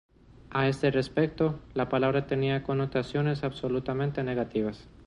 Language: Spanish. A este respecto, la palabra tenía connotaciones absolutamente negativas.